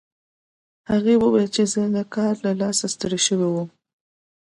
هغې وویل چې زه د کار له لاسه ستړې شوم